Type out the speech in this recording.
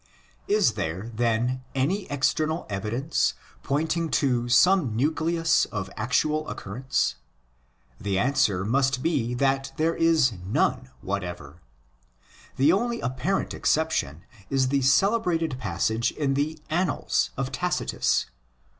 Is there, then, any external evidence pointing to some nucleus of actual occurrence? The answer 22 THE ORIGINS OF CHRISTIANITY must be that there is none whatever. The only apparent exception is the celebrated passage in the Annals of Tacitus (xv.